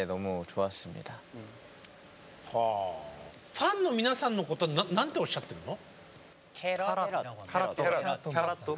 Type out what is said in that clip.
ファンの皆さんのこと何ておっしゃってるの？